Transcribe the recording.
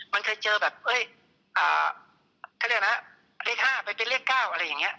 มันเคยเจอแบบเขาเรียกนะเลข๕ไปเป็นเลข๙อะไรอย่างนี้